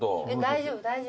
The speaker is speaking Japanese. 大丈夫大丈夫。